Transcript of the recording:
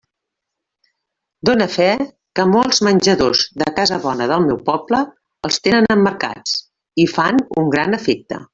Done fe que molts menjadors de casa bona del meu poble els tenen emmarcats, i fan un gran efecte.